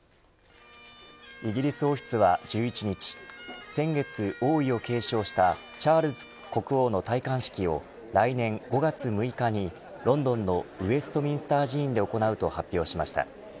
イギリス王室は１１日先月、王位を継承したチャールズ国王の戴冠式を来年５月６日にロンドンのウェストミンスター寺院で行うと発表しました。